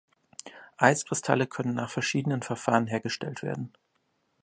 Einkristalle können nach verschiedenen Verfahren hergestellt werden.